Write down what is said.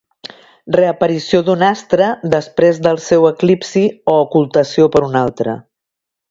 Reaparició d'un astre després del seu eclipsi o ocultació per un altre.